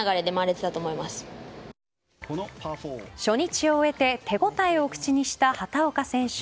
初日を終えて手応えを口にした畑岡選手。